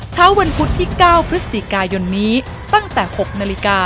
เช้าวันพุธที่๙พฤศจิกายนนี้ตั้งแต่๖นาฬิกา